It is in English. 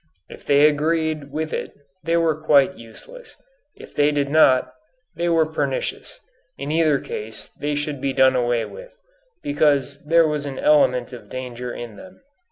If they agreed with it they were quite useless. If they did not, they were pernicious. In either case, they should be done away with, because there was an element of danger in them.